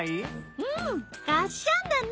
うんがっしゃんだね。